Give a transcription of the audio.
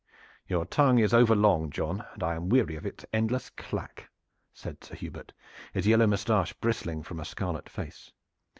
"Your tongue is overlong, John, and I am weary of its endless clack!" said Sir Hubert, his yellow mustache bristling from a scarlet face.